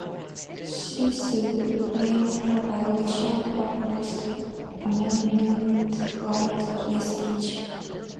She sued, claiming a violation of her First Amendment right to free speech.